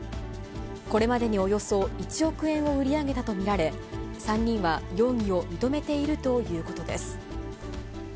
これまでにおよそ１億円を売り上げたと見られ、３人は容疑を認めているということです。